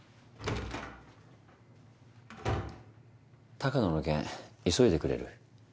鷹野の件急いでくれる？